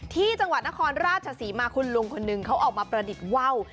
ที่จังหวัดนครราชศรีมาคุณลุงคนหนึ่งเขาออกมาประดิษฐ์ว่าว